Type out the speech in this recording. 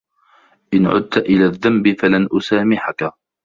إِنْ عُدْتَ إِلَى الذَّنْبِ فَلَنْ أُسَامِحَكَ.